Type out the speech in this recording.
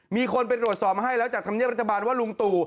มีคนไปตรวจสอบมาให้แล้วจากธรรมเนียบรัฐบาลว่าลุงตู่